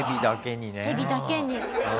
ヘビだけにね。